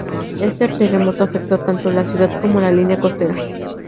Este terremoto afectó tanto la ciudad como la línea costera.